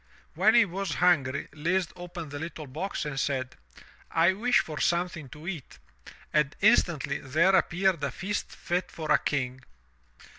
When he was hungry, Lise opened the little box and said: "I wish for something to eat," and instantly there appeared a feast fit for a king.